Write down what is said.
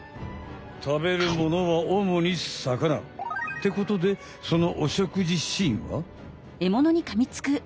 食べるものはおもにさかな。ってことでそのお食事シーンは。